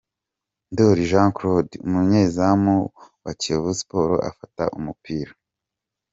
Ndoli Jean Claude umunyezamu wa Kiyovu Sport afata umupira.